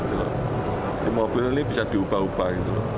ini mobil ini bisa diubah ubah gitu loh